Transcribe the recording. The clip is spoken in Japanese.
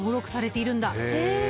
へえ！